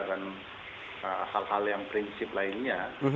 dan hal hal yang prinsip lainnya